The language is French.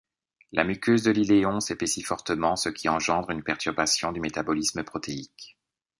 La muqueuse de l'iléon s'épaissit fortement, ce qui engendre une perturbation du métabolisme protéique.